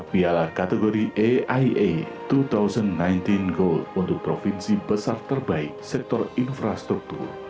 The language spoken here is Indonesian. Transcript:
piala kategori aia dua ribu sembilan belas gold untuk provinsi besar terbaik sektor infrastruktur